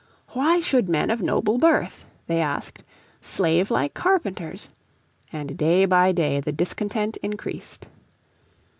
Why should men of noble birth, they asked, slave like carpenters? And day by day the discontent increased.